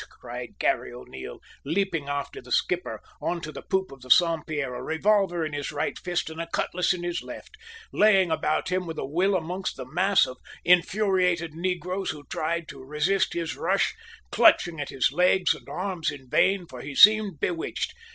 cried Garry O'Neil, leaping after the skipper on to the poop of the Saint Pierre, a revolver in his right fist and a cutlass in his left, laying about him with a will amongst the mass of infuriated negroes who tried to resist his rush, clutching at his legs and arms in vain, for he seemed bewitched.